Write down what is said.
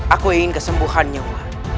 aku ingin kesembuhannya uang